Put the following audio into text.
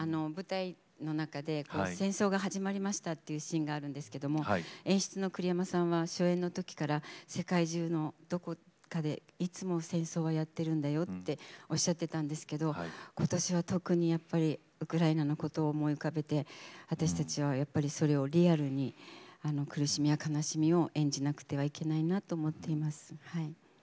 舞台の中で戦争が始まりましたというシーンがあるんですけれども演出の栗山さんは初演のときから世界中のどこかでいつも戦争は、やっているんだよっておっしゃっていたんですけどことしは特にやっぱりウクライナのことを思い浮かべて私たちはやっぱりそれをリアルに苦しみや悲しみを演じなくてはいけないなと思っています。